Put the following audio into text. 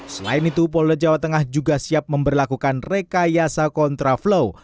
selain itu polda jawa tengah juga siap memperlakukan rekayasa kontraflow